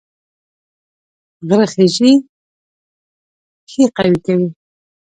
غره خیژي پښې قوي کوي